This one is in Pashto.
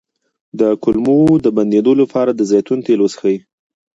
د کولمو د بندیدو لپاره د زیتون تېل وڅښئ